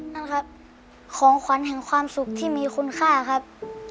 นั่นครับของขวัญแห่งความสุขที่มีคุณค่าครับ